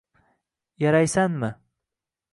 Yaraysanmi